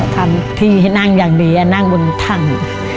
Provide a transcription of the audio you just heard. ท่านที่นั่งอย่างดีนั่งบนทาง